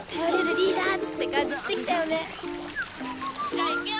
・じゃいくよ。